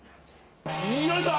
よいしょ！